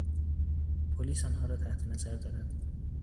پلیس آنها را تحت نظر دارد.